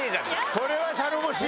これは頼もしい！